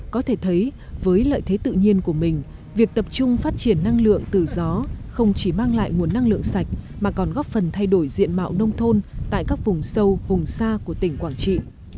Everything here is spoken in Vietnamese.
có thể thấy với lợi thế tự nhiên của mình việc tập trung phát triển năng lượng từ gió không chỉ mang lại nguồn năng lượng sạch mà còn góp phần thay đổi diện mạo nông thôn tại các vùng sâu vùng xa của tỉnh quảng trị